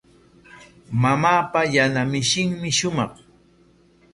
Mamaapa yana mishinmi shumaq.